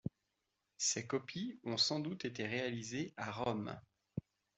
Ces copies ont sans doute été réalisées à Rome.